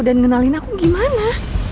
dan ngenalin aku gimana